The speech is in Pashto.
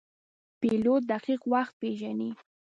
پیلوټ دقیق وخت پیژني.